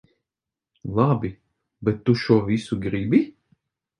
Labi, bet tu šo visu gribi?